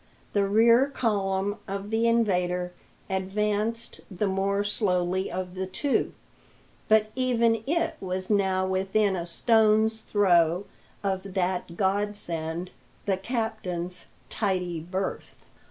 The rear column of the invader advanced the more slowly of the two, but even it was now within a stone's throw of that godsend, the captain's "tidy berth."